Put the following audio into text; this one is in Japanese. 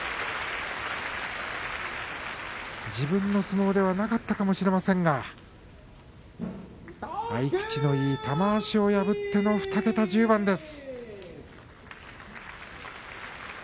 自分の相撲ではなかったかもしれませんが合い口のいい玉鷲を破っての２桁１０番です。